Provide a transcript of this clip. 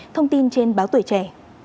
thông tin trên báo tuổi trẻ